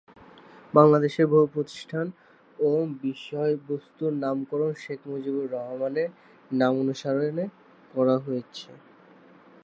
বাংলাদেশের বহু প্রতিষ্ঠান ও বিষয়বস্তুর নামকরণ শেখ মুজিবুর রহমানের নামানুসারে করা হয়েছে।